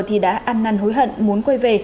thì đã ăn năn hối hận muốn quay về